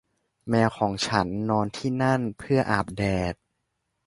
แมวของฉันนอนที่นั่น เพื่ออาบแดด